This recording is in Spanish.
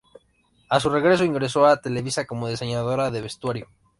A su regreso, ingresó a Televisa como diseñadora de vestuario.